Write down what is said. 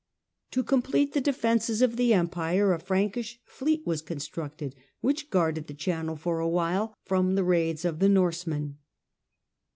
To complete the defences of the Empire a Frankish fleet was constructed which guarded the channel, for a while, from the raids of the Norsemen.